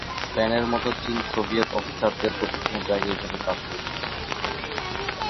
স্পেনের মতো, চীন সোভিয়েত অফিসারদের প্রশিক্ষণের জায়গা হিসাবে কাজ করেছিল।